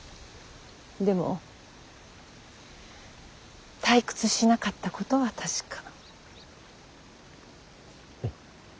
でも退屈しなかったことは確か。